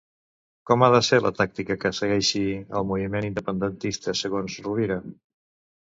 Com ha de ser la tàctica que segueixi el moviment independentista, segons Rovira?